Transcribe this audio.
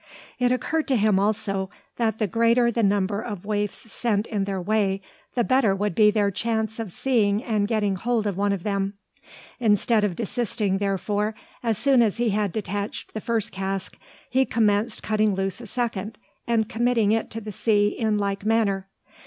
It occurred to him also, that the greater the number of waifs sent in their way, the better would be their chance of seeing and getting hold of one of them. Instead of desisting therefore, as soon as he had detached the first cask, he commenced cutting loose a second, and committing it to the sea in like manner.